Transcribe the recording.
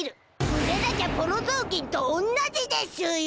売れなきゃボロぞうきんとおんなじでしゅよ！